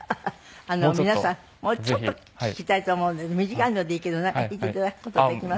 皆さんもうちょっと聴きたいと思うので短いのでいいけどなんか弾いて頂く事はできます？